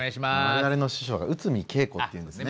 我々の師匠が内海桂子っていうんですね。